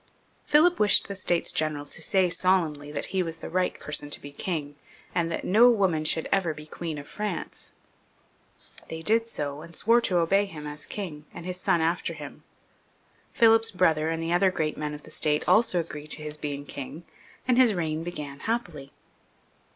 Philip wished the States General to say solemnly that he was the right person to be king, and that no woman should ever be Queen of France. They did so, and swore to obey him as king, and his son after him. Philip's brother and the other great men of the State also agreed to his being king, and his reign began happily.